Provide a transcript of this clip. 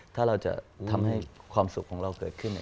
ถ้าเราจะทำให้ความสุขของเราเกิดขึ้น